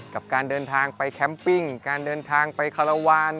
กับการเดินทางไปแคมปิ้งการเดินทางไปคาราวาน